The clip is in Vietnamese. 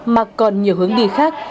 mà còn nhiều hướng đi khác